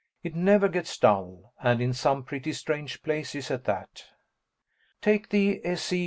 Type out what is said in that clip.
It never gets dull and in some pretty strange places, at that. Take the _S.E.